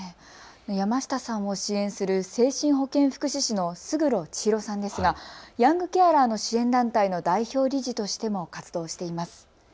山下さんを支援する精神保健福祉士の勝呂ちひろさんですがヤングケアラーの支援団体の代表理事としても活動しています。